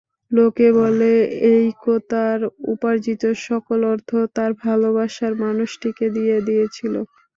লোকে বলে এইকো তার উপার্জিত সকল অর্থ তার ভালোবাসার মানুষটিকে দিয়ে দিয়েছিলো!